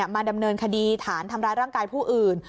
มาดำเนินคดีฐานทำร้ายร่างกายผู้อื่น